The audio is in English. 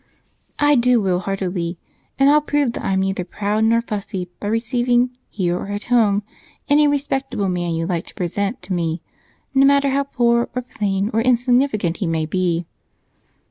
I do will heartily, and I'll prove that I'm neither proud nor fussy by receiving, here or at home, any respectable man you like to present to me, no matter how poor or plain or insignificant he may be."